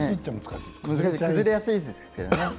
崩れやすいですけどね。